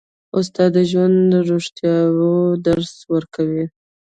استاد د ژوند د رښتیاوو درس ورکوي.